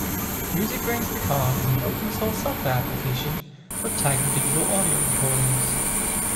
MusicBrainz Picard is an open-source software application for tagging digital audio recordings.